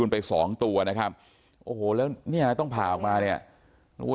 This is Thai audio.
อ่อแล้วต้องผ่าออกมาเนี่ย